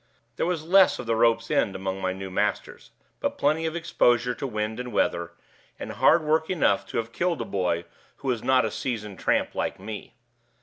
There was less of the rope's end among my new masters; but plenty of exposure to wind and weather, and hard work enough to have killed a boy who was not a seasoned tramp like me.